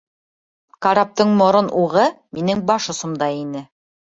Караптың морон уғы минең баш осомда ине.